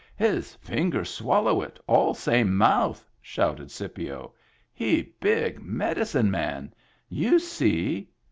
" His fingers swallow it, all same mouth!" shouted Scipio. "He big medicine man. You see.